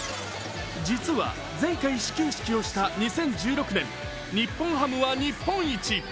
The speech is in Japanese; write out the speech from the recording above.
実は前回、始球式をした２０１６年、日本ハムは日本一。